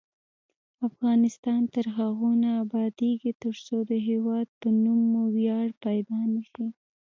افغانستان تر هغو نه ابادیږي، ترڅو د هیواد په نوم مو ویاړ پیدا نشي.